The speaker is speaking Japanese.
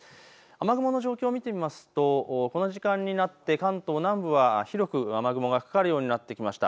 雨雲の状況を見てみますとこの時間になって関東南部は広く雨雲がかかるようになってきました。